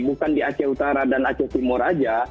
bukan di aceh utara dan aceh timur saja